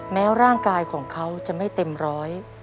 แม้ร่างกายของเขาจะไม่เต็มร้อย